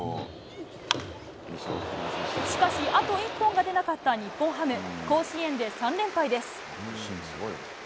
しかし、あと一本が出なかった日本ハム。甲子園で３連敗です。